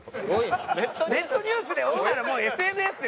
ネットニュースで追うならもうＳＮＳで追えよ！